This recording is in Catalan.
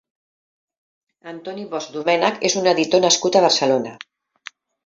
Antoni Bosch-Domènech és un editor nascut a Barcelona.